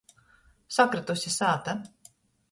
Sakrytuse sāta.